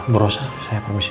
berosa saya permisi